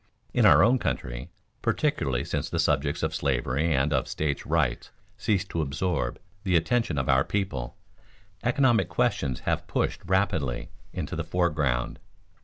In our own country, particularly since the subjects of slavery and of States' rights ceased to absorb the attention of our people, economic questions have pushed rapidly into the foreground.